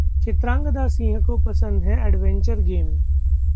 चित्रांगदा सिंह को पसंद है एडवेंचर गेम